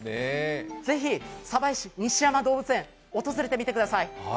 ぜひ鯖江市西山動物園、訪れてみてください。